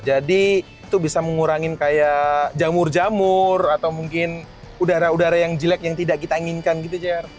jadi itu bisa mengurangin kayak jamur jamur atau mungkin udara udara yang jelek yang tidak kita inginkan gitu jar